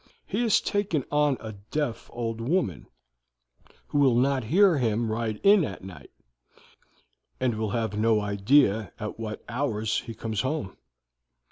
He has taken on a deaf old woman who will not hear him ride in at night, and will have no idea at what hours he comes home.